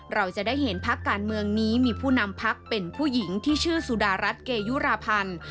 เราจะได้เห็นพักการเมืองนี้มีผู้นำพักเป็นผู้หญิงที่ชื่อสุดารัฐเกยุราพันธ์